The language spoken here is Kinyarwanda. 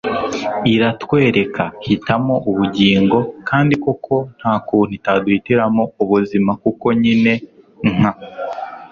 iratwerekera ; hitamo ubugingo. kandi koko nta kuntu itaduhitiramo ubuzima kuko nyine nka